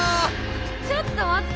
ちょっと待って！